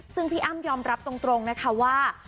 ซึ่งพี่อ้ำยอมรับตรงนะคะว่า